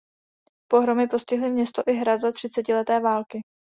Pohromy postihly město i hrad za třicetileté války.